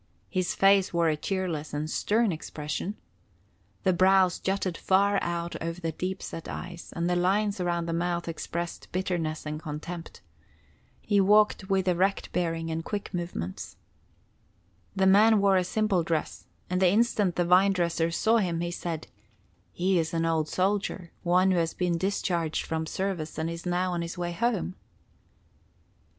His face wore a cheerless and stern expression. The brows jutted far out over the deep set eyes, and the lines around the mouth expressed bitterness and contempt. He walked with erect bearing and quick movements. The man wore a simple dress, and the instant the vine dresser saw him, he said: "He is an old soldier, one who has been discharged from service and is now on his way home."